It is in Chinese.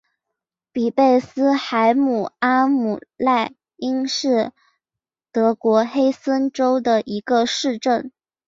比贝斯海姆阿姆赖因是德国黑森州的一个市镇。